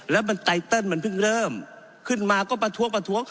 แล้วมันไตเติลมันเพิ่งเริ่มขึ้นมาก็ประท้วงประท้วง